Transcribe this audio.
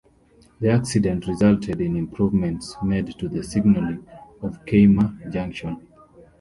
The accident resulted in improvements made to the signalling at Keymer Junction.